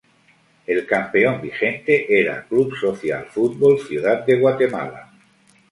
El campeón vigente era Club Social Fútbol Ciudad de Guatemala.